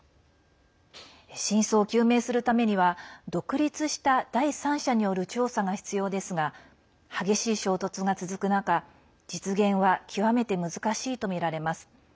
真相を究明するためには独立した第三者による調査が必要ですが激しい衝突が続く中実現は極めて難しいとみられます。